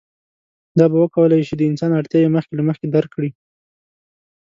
دا به وکولی شي د انسان اړتیاوې مخکې له مخکې درک کړي.